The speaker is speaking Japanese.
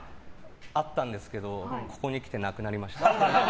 あったんですけどここに来てなくなりました。